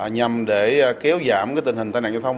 nhằm để kéo giảm tình hình tai nạn giao thông